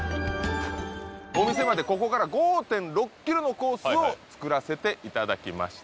お店までここから５．６ｋｍのコースを作らせていただきました